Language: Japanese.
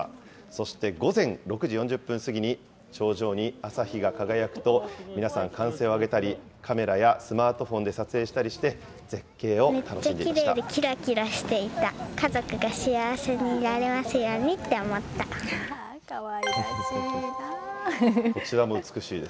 そして午前６時４０分過ぎに頂上に朝日が輝くと、皆さん、歓声を上げたり、カメラやスマートフォンで撮影したりして、絶景を楽しかわいらしいな。